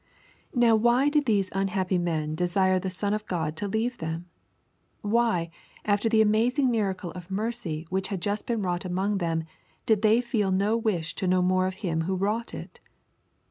Now why did these unhappy men desire the Son of God to leave them ? Why, after the amazing miracle of mercy which had just been wrought among them, did they feel no wish to know more of Him who wrought it